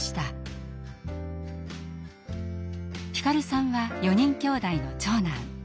皓さんは４人きょうだいの長男。